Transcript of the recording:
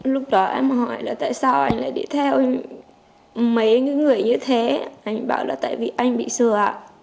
lúc đó em hỏi là tại sao anh lại đi theo mấy người như thế anh bảo là tại vì anh bị sửa